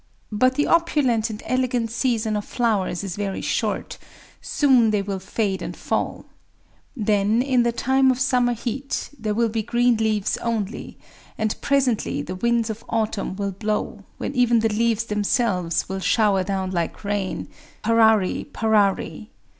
But the opulent and elegant season of flowers is very short: soon they will fade and fall. Then, in the time of summer heat, there will be green leaves only; and presently the winds of autumn will blow, when even the leaves themselves will shower down like rain, parari parari.